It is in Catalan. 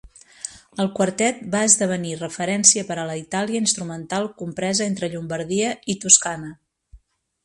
El quartet va esdevenir referència per a la Itàlia instrumental compresa entre Llombardia i Toscana.